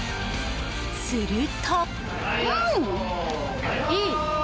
すると。